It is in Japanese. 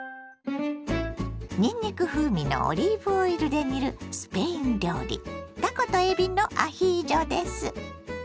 にんにく風味のオリーブオイルで煮るスペイン料理たことえびのアヒージョです。